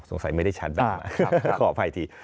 สงสัยไม่ได้ชัดแบบมาขออภัยที